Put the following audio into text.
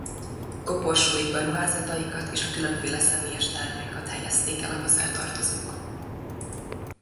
Koporsóikba ruházataikat és a különféle személyes tárgyaikat helyezték el a hozzátartozók.